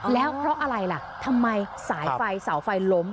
แล้วเพราะอะไรล่ะทำไมสายไฟเสาไฟล้ม